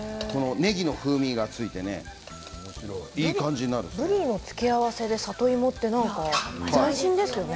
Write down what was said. ねぎの風味がついてねぶりの付け合わせで里芋って斬新ですね。